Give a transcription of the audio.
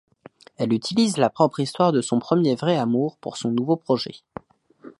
Elle utilise la propre histoire de son premier vrai amour pour son nouveau projet.